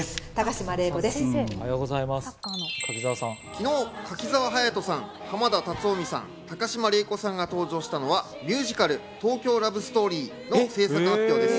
昨日、柿澤勇人さん、濱田龍臣さん、高島礼子さんが登場したのはミュージカル『東京ラブストーリー』の制作発表です。